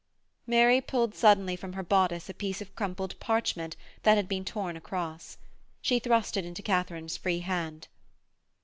Mary pulled suddenly from her bodice a piece of crumpled parchment that had been torn across. She thrust it into Katharine's free hand.